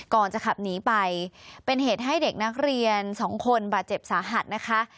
ก่อนจะขับหนีไปเป็นเหตุให้เด็กนักเรียนสองคนบาดเจ็บสาหัสนะคะ